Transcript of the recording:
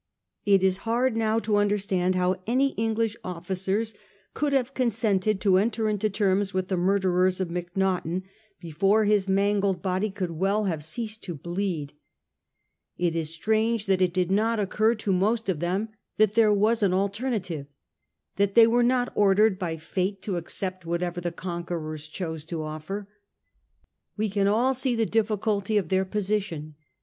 It is hard now to understand how any Eng lish officers could have consented to enter into terms with the murderers of Macnaghten before his mangled 1841. AN APPEAL FOE MEECY. 247 body could well have ceased to bleed. It is strange that it did not occur to most of them that there was an alternative ; that they were not ordered by fate to accept whatever the conquerors chose to offer. We can all see the difficulty of their position.